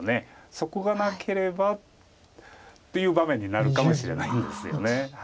そこがなければっていう場面になるかもしれないんですよね。